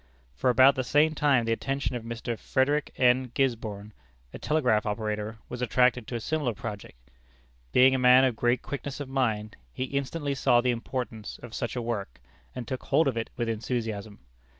For about the same time, the attention of Mr. Frederick N. Gisborne, a telegraph operator, was attracted to a similar project. Being a man of great quickness of mind, he instantly saw the importance of such a work, and took hold of it with enthusiasm.